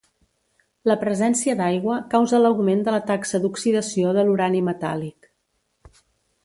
La presència d'aigua causa l'augment de la taxa d'oxidació de l'urani metàl·lic.